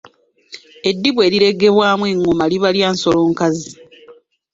Eddiba erireegebwamu engoma liba lya nsolo nkazi.